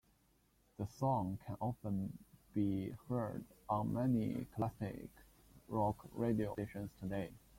The song can often be heard on many classic rock radio stations today.